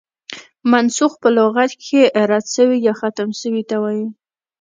منسوخ په لغت کښي رد سوی، يا ختم سوي ته وايي.